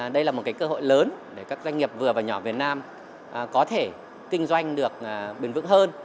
đây là một cơ hội lớn để các doanh nghiệp vừa và nhỏ việt nam có thể kinh doanh được bền vững hơn